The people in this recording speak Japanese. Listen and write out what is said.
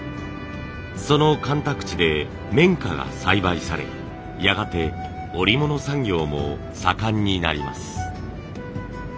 その干拓地で綿花が栽培されやがて織物産業も盛んになります。